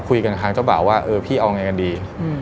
คุยกับทางเจ้าบ่าวว่าเออพี่เอาไงกันดี